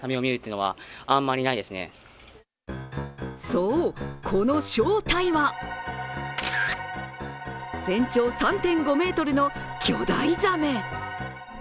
そう、この正体は全長３．５ｍの巨大ザメ。